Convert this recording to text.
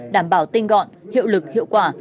đảm bảo tinh gọn hiệu lực hiệu quả